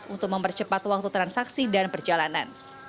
untuk mempercepat waktu transaksi dan perjalanan